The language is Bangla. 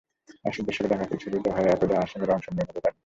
আশির দশকে দাঙ্গাকে ছড়িয়ে দেওয়া হয় একদা আসামের অংশ মেঘালয় রাজ্যে।